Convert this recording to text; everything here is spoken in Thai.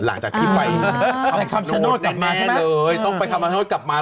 หลังจากไปคำชโนธแน่เลยต้องไปคำคำชโนธกลับมา